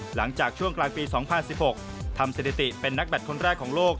หลังจากช่วงกลางปี๒๐๑๖ทำสถิติเป็นนักแบตคนแรกของโลก